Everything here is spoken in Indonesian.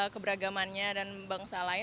keberagamannya dan bangsa lain